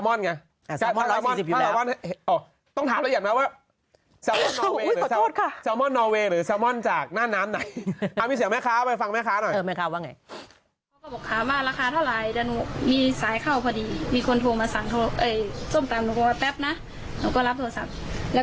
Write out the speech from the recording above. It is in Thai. เป้าหมิกไอ้ไซมอนไงอ่าไซมอนร้อยสี่สิบอยู่แล้วอ๋อ